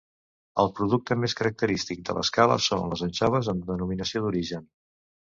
El producte més característic de l'Escala són les anxoves amb denominació d'origen.